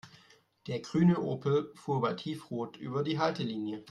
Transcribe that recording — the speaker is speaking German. Der grüne Opel fuhr bei Tiefrot über die Haltelinie.